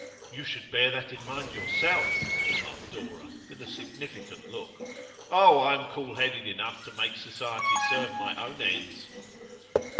'You should bear that in mind yourself' remarked Dora, with a significant look. 'Oh, I am cool headed enough to make society serve my own ends.